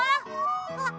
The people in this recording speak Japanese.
あっ！